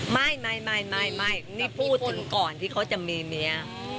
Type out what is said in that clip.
ไม่พูดอู่ก่อนที่เขาจะมีเมีย